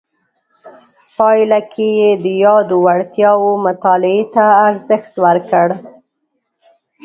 پایله کې یې د یادو وړتیاو مطالعې ته ارزښت ورکړ.